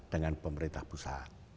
dengan pemerintah pusat